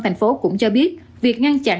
tp hcm cũng cho biết việc ngăn chặn